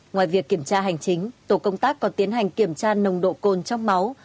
ngoài việc kiểm tra hành chính tổ công tác còn tiến hành kiểm tra nồng độ cồn trong máu